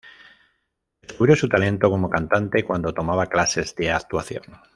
Descubrió su talento como cantante cuando tomaba clases de actuación.